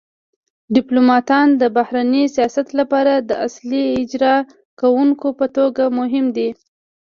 ډیپلوماتان د بهرني سیاست لپاره د اصلي اجرا کونکو په توګه مهم دي